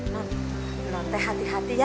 non non teh hati hati ya